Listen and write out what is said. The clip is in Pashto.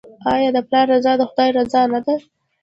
آیا د پلار رضا د خدای رضا نه ده؟